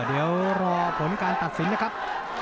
แล้วเดี๋ยวรอข้อมูลการตัดสินนะครับ